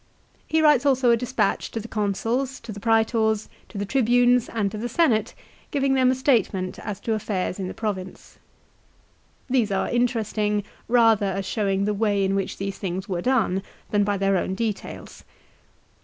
He writes also a despatch to the Consuls, to the Prsetors, to the Tribunes, and to the Senate, giving them a statement as to affairs in the Province. These are interesting rather as showing the way in which these things were done, than by their own details.